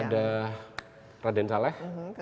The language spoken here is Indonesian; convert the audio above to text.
ada raden saleh